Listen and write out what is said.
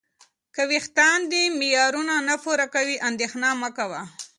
که وېښتان دې معیارونه نه پوره کوي، اندېښنه مه کوه.